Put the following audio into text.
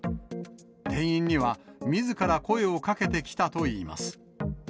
店員には、みずから声をかけてきたといいます。